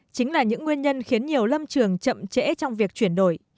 chính là những nguyên nhân khiến nhiều lâm trường chậm trễ trong việc chuyển đổi